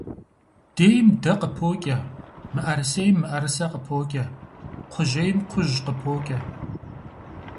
Дейм дэ къыпокӏэ, мыӏэрысейм мыӏэрысэ къыпокӏэ, кхъужьейм кхъужь къыпокӏэ.